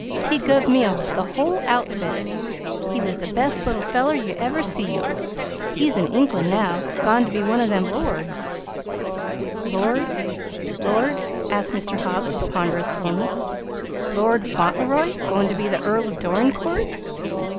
He guv' me the whole outfit. He was the best little feller ye ever saw. He's in England now. Gone to be one o' them lords." "Lord Lord " asked Mr. Hobbs, with ponderous slowness, "Lord Fauntleroy Goin' to be Earl of Dorincourt?"